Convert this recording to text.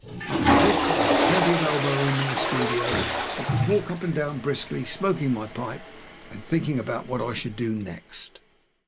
After this I had plenty of elbow room in the studio, and could walk up and down briskly, smoking my pipe, and thinking about what I should do next.